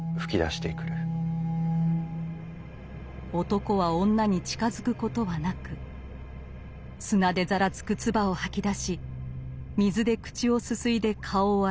男は女に近づくことはなく砂でざらつく唾を吐き出し水で口をすすいで顔を洗います。